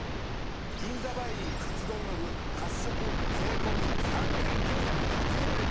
銀座梅林カツ丼の具８食税込３９８０円です。